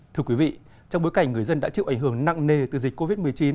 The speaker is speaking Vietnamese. thưa quý vị trong bối cảnh người dân đã chịu ảnh hưởng nặng nề từ dịch covid một mươi chín